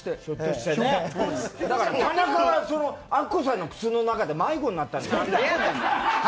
だから田中はアッコさんの靴の中で迷子になったり。